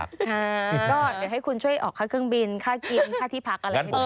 ตั้งกว่าผมไม่ไปแล้ว